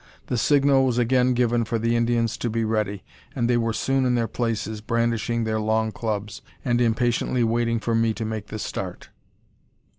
The signal was again given for the Indians to be ready, and they were soon in their places, brandishing their long clubs, and impatiently waiting for me to make the start.